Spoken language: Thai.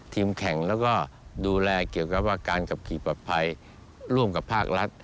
ทีมแข่งและดูแลการกับการกับขี่ปลอดภัยร่วมกับภาครัฐ